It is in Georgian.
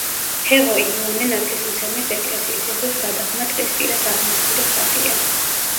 ჰეღო იოანე ნათლისმცემლის ეკლესიის ეზოს გადაღმა ტყის პირას აღმართული ხატია.